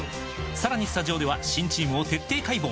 さらにスタジオでは新チームを徹底解剖！